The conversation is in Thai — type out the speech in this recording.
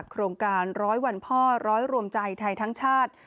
โครงการ๑๐๐วันพ่อ๑๐๐โรมใจไทยทั้งชาติ